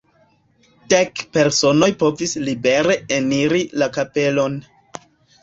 Dek personoj povis libere eniri la kapelon.